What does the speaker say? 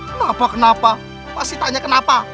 kenapa kenapa pasti tanya kenapa